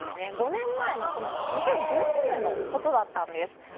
５年前の２０１７年のことだったんです。